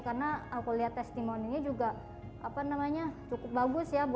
karena aku lihat testimoni juga cukup bagus ya buat ngerawat kucing kucing liar yang terlantar gitu